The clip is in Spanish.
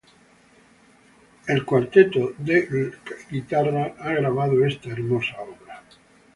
Guitar Quartet han grabado esta hermosa obra.